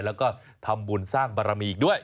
แล้วก็ทำบุญสร้างบารมีอีกด้วย